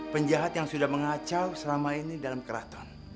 penjahat yang sudah mengacau selama ini dalam keraton